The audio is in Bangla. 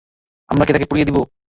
আমরা কি তাকে পুড়িয়ে দিব?